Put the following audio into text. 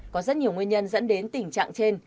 có rất nhiều nguyên nhân dẫn đến tình trạng trên